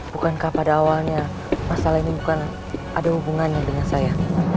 bukankah pada awalnya masalah ini bukan ada hubungannya dengan saya